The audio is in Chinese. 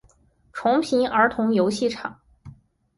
重平儿童游戏场